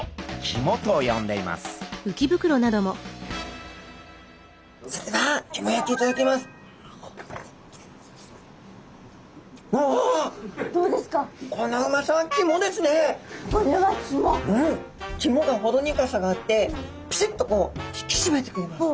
肝がほろ苦さがあってピシッとこう引きしめてくれます。